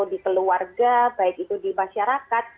di keluarga baik itu di masyarakat